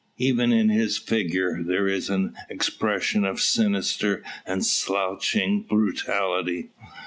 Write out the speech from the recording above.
Even in his figure there is an expression of sinister and slouching brutality.